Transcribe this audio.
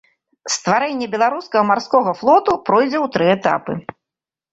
Стварэнне беларускага марскога флоту пройдзе ў тры этапы.